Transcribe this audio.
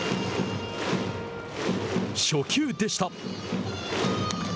初球でした。